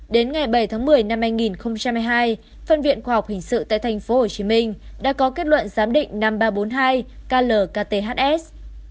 đến ngày bảy tháng một mươi năm hai nghìn hai mươi hai phân viện khoa học hình sự tại tp hcm đã có kết luận giám định năm nghìn ba trăm bốn mươi hai klkhs